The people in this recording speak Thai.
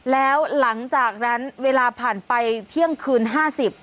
แล้วหลังจากนั้นเวลาผ่านไปเที่ยงคืนห้าสิบ